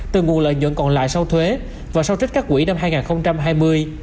từ nguồn lợi nhuận còn lại sau thuế và sau trích các quỹ năm hai nghìn hai mươi